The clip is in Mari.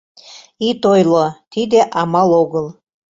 Ит ойло: тиде амал огыл!